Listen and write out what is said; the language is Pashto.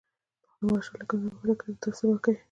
د علامه رشاد لیکنی هنر مهم دی ځکه چې تفصیل ورکوي.